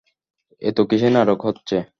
এতো কীসের নাটক হচ্ছে?